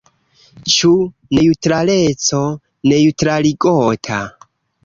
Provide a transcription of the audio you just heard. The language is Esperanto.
Ĉu neŭtraleco neŭtraligota?